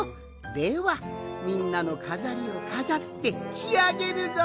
ではみんなのかざりをかざってしあげるぞい。